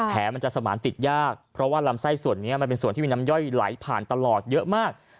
มันจะสมานติดยากเพราะว่าลำไส้ส่วนนี้มันเป็นส่วนที่มีน้ำย่อยไหลผ่านตลอดเยอะมาก